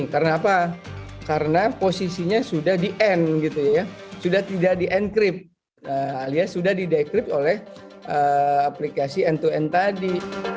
karena apa karena posisinya sudah di end gitu ya sudah tidak di encrypt alias sudah di decrypt oleh aplikasi end to end tadi